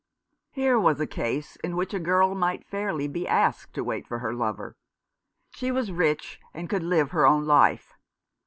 Here was a case in which a girl might fairly be asked to wait for her lover. She was rich, and could live her own life.